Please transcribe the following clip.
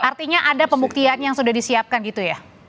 artinya ada pembuktian yang sudah disiapkan gitu ya